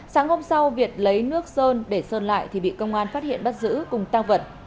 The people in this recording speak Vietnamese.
sáng hôm sau việt lấy nước sơn để sơn lại thì bị công an phát hiện bắt giữ cùng tăng vật